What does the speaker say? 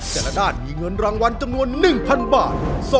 แต่ละด้านมีเงินรางวัลจำนวน๑๐๐บาท